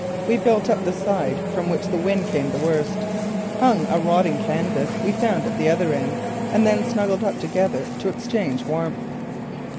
We built up the side from which the wind came the worst, hung a rotting canvas we found at the other end and then snuggled up together to exchange warmth.